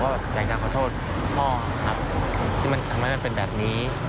ก็อยากจะขอโทษพ่อครับที่มันทำให้มันเป็นแบบนี้